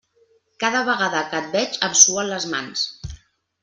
Cada vegada que et veig em suen les mans.